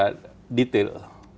tim kan bicara detail